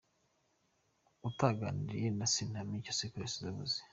Utaganiriye na se, ntamenya icyo sekuru yasize avuze.